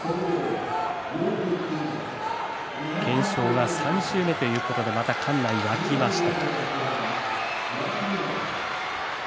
懸賞が３周目ということでまた館内沸きました。